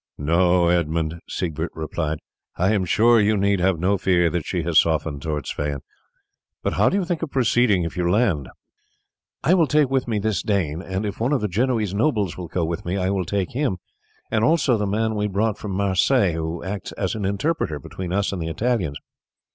"No, Edmund," Siegbert replied. "I am sure you need have no fear that she has softened towards Sweyn. But how do you think of proceeding if you land?" "I will take with me this Dane, and if one of the Genoese nobles will go with me I will take him, and also the man we brought from Marseilles, who acts as an interpreter between us and the Italians."